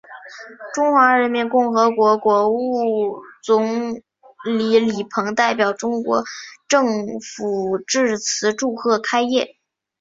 中华人民共和国国务院总理李鹏代表中国政府致词祝贺开业。